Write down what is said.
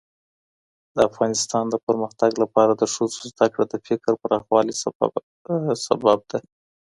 . د افغانستان د پرمختګ لپاره د ښځو زدهکړه د فکر پراخوالي سبب ده